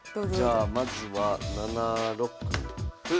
じゃあまずは７六歩。